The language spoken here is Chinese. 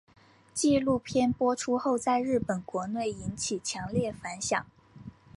纪录片播出后在日本国内引起强烈反响。